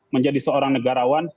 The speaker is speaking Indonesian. menjadi seorang negarawan